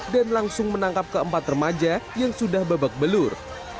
dan langsung menangkap keempat remaja yang sudah babak belur